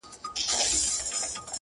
د هغه شپې څخه شپې نه کلونه تېر سوله خو!!